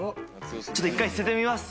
ちょっと１回捨ててみます。